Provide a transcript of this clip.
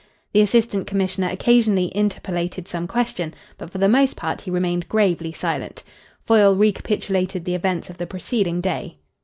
The Assistant Commissioner occasionally interpolated some question, but for the most part he remained gravely silent. Foyle recapitulated the events of the preceding day.